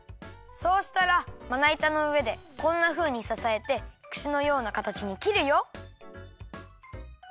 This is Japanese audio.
そうしたらまないたのうえでこんなふうにささえてくしのようなかたちにきるよ。